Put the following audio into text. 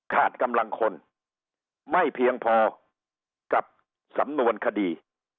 กำลังคนไม่เพียงพอกับสำนวนคดี